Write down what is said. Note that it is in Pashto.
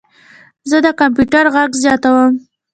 زه د کمپیوټر غږ زیاتوم.